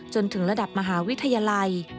จนถึงระดับมหาวิทยาลัย